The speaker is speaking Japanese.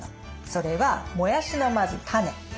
それはもやしのまずタネ。